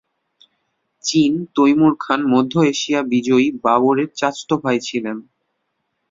চীন Timur Khan মধ্য এশীয় বিজয়ী বাবরের চাচাতো ভাই ছিলেন।